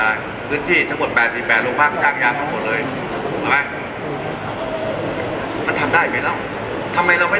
เดี๋ยวไปสร้างจอหย่ารอมไทยแดน